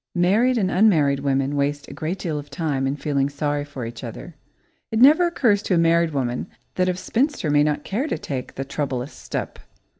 Married and unmarried women waste a great deal of time in feeling sorry for each other. It never occurs to a married woman that a spinster may not care to take the troublous step.